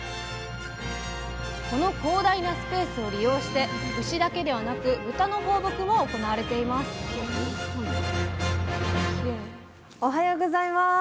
この広大なスペースを利用して牛だけではなく豚の放牧も行われていますおはようございます。